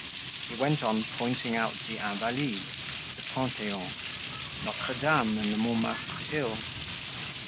He went on pointing out the Invalides, the Pantheon, Notre Dame and the Montmartre hill.